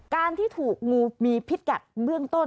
การที่ถูกงูมีพิษกัดเบื้องต้น